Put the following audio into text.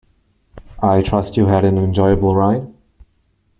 I trust you had an enjoyable ride.